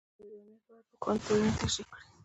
ازادي راډیو د امنیت په اړه د پوهانو څېړنې تشریح کړې.